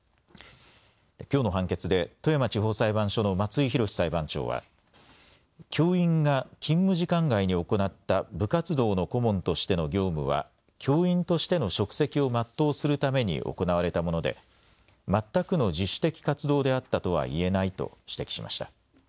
きょうの判決で富山地方裁判所の松井洋裁判長は教員が勤務時間外に行った部活動の顧問としての業務は教員としての職責を全うするために行われたもので全くの自主的活動であったとはいえないと指摘しました。